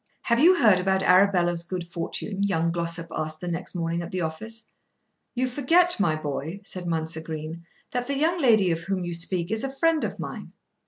"Have you heard about Arabella's good fortune?" young Glossop asked the next morning at the office. "You forget, my boy," said Mounser Green, "that the young lady of whom you speak is a friend of mine."